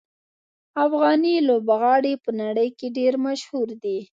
افغاني لوبغاړي په نړۍ کې ډېر مشهور دي.